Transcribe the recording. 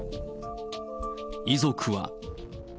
遺族は。